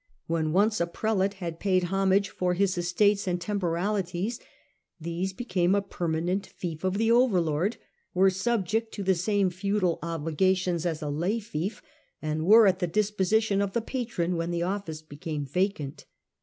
When once a prelate had paid homage for his estates and tem poralities, these became a permanent fief of the over lord, were subject to the same feudal obligations as a lay fief, and were at the disposition of the patron when the office became vacant.